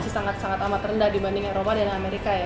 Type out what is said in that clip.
masih sangat sangat amat rendah dibanding eropa dan amerika ya